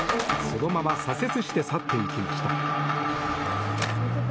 そのまま左折して去っていきました。